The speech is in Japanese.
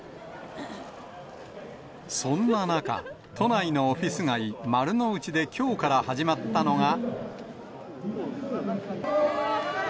そんな中、都内のオフィス街、丸の内できょうから始まったのが。